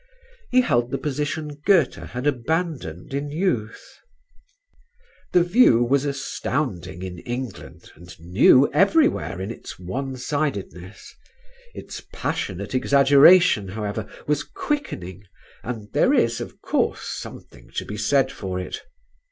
He held the position Goethe had abandoned in youth. The view was astounding in England and new everywhere in its onesidedness. Its passionate exaggeration, however, was quickening, and there is, of course, something to be said for it.